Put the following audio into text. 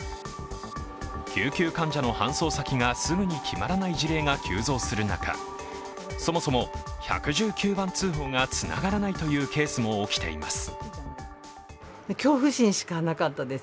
救急患者の搬送先がすぐに決まらない事例が急増する中、そもそも１１９番通報がつながらないというケースも起きています。